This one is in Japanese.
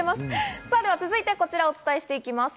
さぁ、では続いて、こちらをお伝えしていきます。